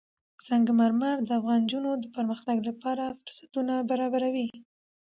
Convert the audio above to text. سنگ مرمر د افغان نجونو د پرمختګ لپاره فرصتونه برابروي.